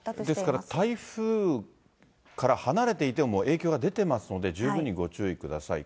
ですから、台風から離れていても影響が出てますので、十分にご注意ください。